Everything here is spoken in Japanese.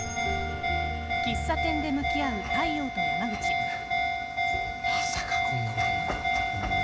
いやまさかこんなことになるとは。